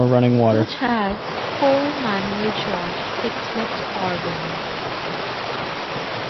The church has a four-manual George Sixsmith organ.